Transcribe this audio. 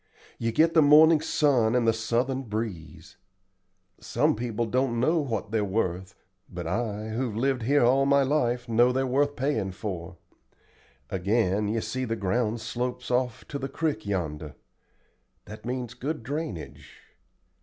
You get the morning sun and the southern breeze. Some people don't know what they're worth, but I, who've lived here all my life, know they're worth payin' for. Again, you see the ground slopes off to the crick yonder. That means good drainage.